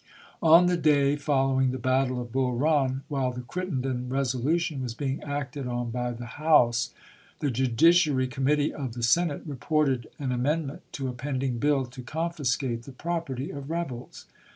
On the day following the battle of Bull Run, while the Crittenden resolution was being acted on by the House, the Judiciary Committee of the Senate reported an amendment to a pending biU to confiscate the property of rebels.